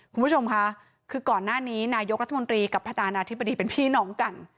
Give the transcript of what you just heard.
คุณผู้ชมค่ะคือก่อนหน้านี้นายกรัฐมนตรีกับพระธานาธิบดีเป็นพี่น้องกัน